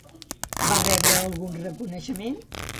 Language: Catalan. Va rebre algun reconeixement?